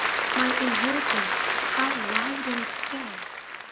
My inheritance, how wide and fair!